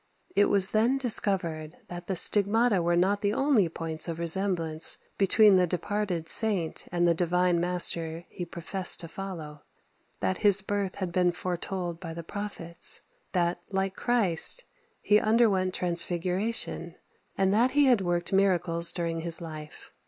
It was then discovered that the stigmata were not the only points of resemblance between the departed saint and the Divine Master he professed to follow; that his birth had been foretold by the prophets; that, like Christ, he underwent transfiguration; and that he had worked miracles during his life.